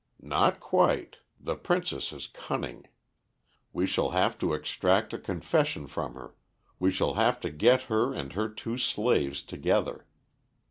"Not quite. The princess is cunning. We shall have to extract a confession from her; we shall have to get her and her two slaves together.